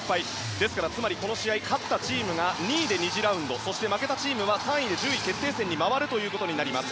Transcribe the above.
ですからこの試合勝ったチームが２位で２次ラウンドそして、負けたチームは３位で順位決定戦に回ることになります。